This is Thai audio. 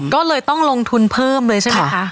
ก็เลยต้องลงทุนเพิ่มเลยใช่ไหมคะ